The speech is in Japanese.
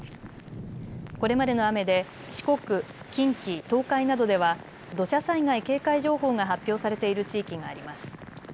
これまでの雨で四国、近畿東海などでは土砂災害警戒情報が発表されている地域があります。